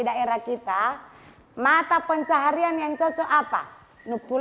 mereka harus selalu bermain sumber peti dan akar untuk menunjukan keberuntungan